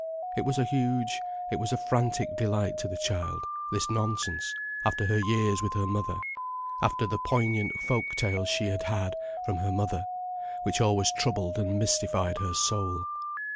It was a huge, it was a frantic delight to the child, this nonsense, after her years with her mother, after the poignant folk tales she had had from her mother, which always troubled and mystified her soul.